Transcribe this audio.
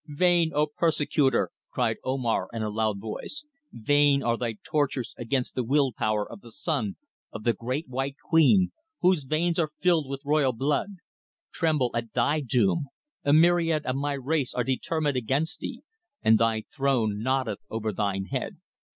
"Vain, O persecutor," cried Omar in a loud voice. "Vain are thy tortures against the will power of the son of the Great White Queen, whose veins are filled with royal blood. Tremble at thy doom, a myriad of my race are determined against thee, and thy throne noddeth over thine head.